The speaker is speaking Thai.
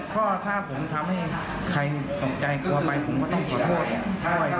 เพราะถ้าผมทำให้ใครกลับใจกว่าไปผมก็ต้องขอโทษ